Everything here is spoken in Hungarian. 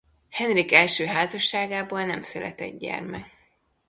Henrik első házasságából nem született gyermek.